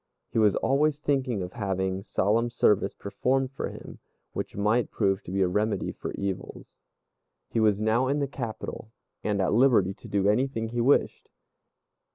He was always thinking of having solemn service performed for him, which might prove to be a remedy for evils. He was now in the capital, and at liberty to do anything he wished.